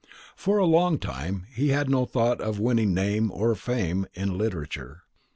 For a long time he had no thought of winning name or fame in literature.